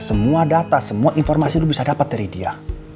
semua data semua informasi lo bisa dapat dari dia